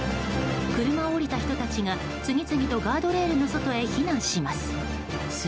車を降りた人たちが次々とガードレールの外へ避難します。